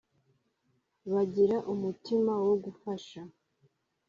bagira umutima wo gufasha